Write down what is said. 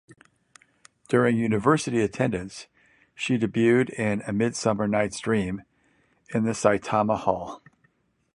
During university attendance, she debuted in "A Midsummer Night's Dream" in the Saitama Hall.